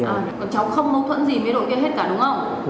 à con cháu không mâu thuẫn gì với đội kia hết cả đúng không